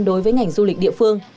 đối với ngành du lịch địa phương